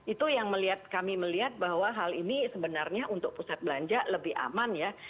itu yang kami melihat bahwa hal ini sebenarnya untuk pusat belanja lebih aman ya